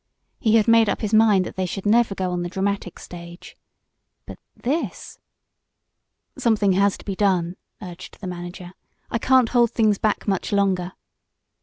He had made up his mind that they should never go on the dramatic stage. But this . "Something has to be done," urged the manager. "I can't hold things back much longer."